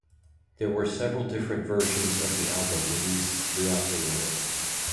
There were several different versions of the album released throughout the world.